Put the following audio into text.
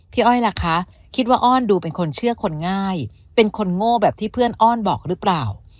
อ้อยล่ะคะคิดว่าอ้อนดูเป็นคนเชื่อคนง่ายเป็นคนโง่แบบที่เพื่อนอ้อนบอกหรือเปล่า